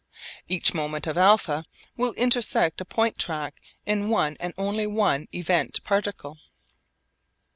Each moment of α will intersect a point track in one and only one event particle.